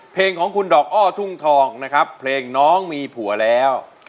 เพลงของคุณดอกอ้อทุ่งทองนะครับเพลงน้องมีผัวแล้ว